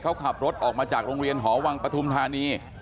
เขาขับรถออกมาจากโรงเรียนหอวังปฐุมธานี